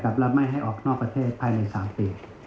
และไม่ให้ออกนอกประเทศภายใน๓ปี